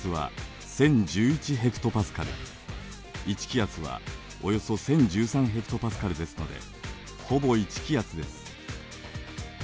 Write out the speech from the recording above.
１気圧はおよそ１，０１３ｈＰａですのでほぼ１気圧です。